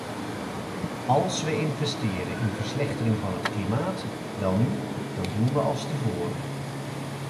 Als we investeren in verslechtering van het klimaat, welnu, dan doen we als tevoren.